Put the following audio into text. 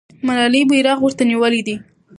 ملالۍ بیرغ ورته نیولی دی.